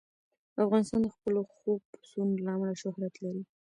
افغانستان د خپلو ښو پسونو له امله شهرت لري.